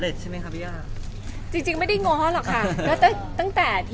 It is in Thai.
อเรนนี่มีมุมเม้นท์อย่างนี้ได้เห็นอีกไหมคะแล้วแต่สถานการณ์ค่ะแล้วแต่สถานการณ์ค่ะแล้วแต่สถานการณ์ค่ะ